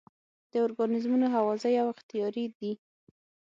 دا ارګانیزمونه هوازی او اختیاري دي.